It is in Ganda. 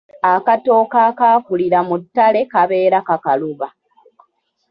Akatooke akaakulira mu ttale kabeera kakaluba.